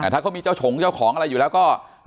ถ้าเขามีเจ้าฉงเจ้าของอะไรอยู่แล้วก็